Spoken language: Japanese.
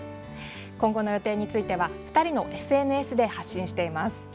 今後の予定については２人のＳＮＳで発信しています。